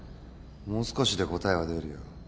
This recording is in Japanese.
もう少しで答えは出るよ。